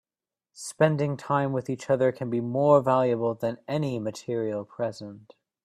Spending time with each other can be more valuable than any material present.